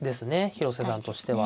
広瀬さんとしては。